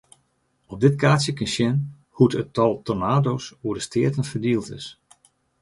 Op dit kaartsje kinst sjen hoe't it tal tornado's oer de steaten ferdield is.